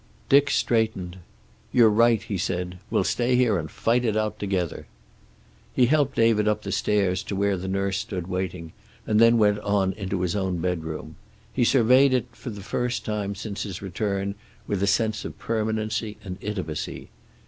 Dick straightened. "You're right," he said. "We'll stay here and fight it out together." He helped David up the stairs to where the nurse stood waiting, and then went on into his own bedroom. He surveyed it for the first time since his return with a sense of permanency and intimacy.